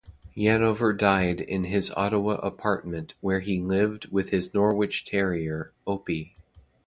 Yanover died in his Ottawa apartment where he lived with his Norwich Terrier, Opie.